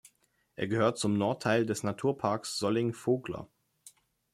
Er gehört zum Nordteil des Naturparks Solling-Vogler.